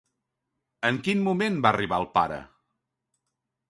En quin moment va arribar el pare?